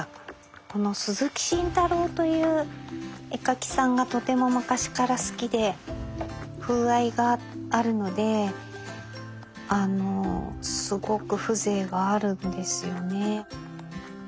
この鈴木信太郎という絵描きさんがとても昔から好きで風合いがあるのですごく風情があるんですよね。